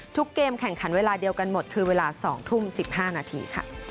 เกมแข่งขันเวลาเดียวกันหมดคือเวลา๒ทุ่ม๑๕นาทีค่ะ